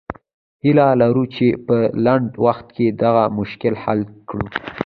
هیله لرو چې په لنډ وخت کې دغه مشکل حل کړو.